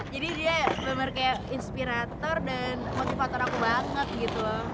jadi dia bener bener kayak inspirator dan motivator aku banget gitu loh